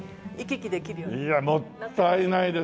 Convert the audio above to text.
いやもったいないですよ。